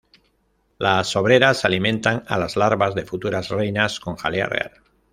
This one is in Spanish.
Las obreras alimentan a las larvas de futuras reinas con jalea real.